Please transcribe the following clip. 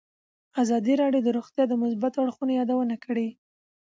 ازادي راډیو د روغتیا د مثبتو اړخونو یادونه کړې.